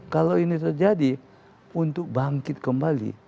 kalau ini terjadi untuk bangkit kembali